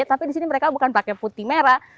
tapi di sini mereka bukan pakai putih merah